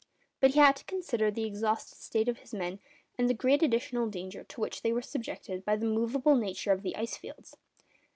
But he had to consider the exhausted state of his men, and the great additional danger to which they were subjected by the movable nature of the ice fields.